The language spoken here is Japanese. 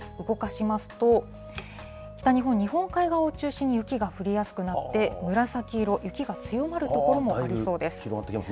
動かしますと、北日本日本海側を中心に雪が降りやすくなって紫色、雪が強まる所もありそうです。